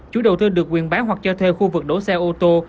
chủ đầu tư được quyền bán hoặc cho thuê khu vực đổ xe ô tô